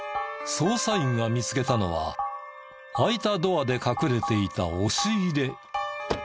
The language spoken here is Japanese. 捜査員が見つけたのは開いたドアで隠れていた押し入れ。